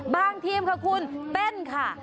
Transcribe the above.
บางทีมค่ะคุณเต้นค่ะ